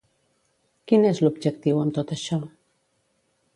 Quin és l'objectiu amb tot això?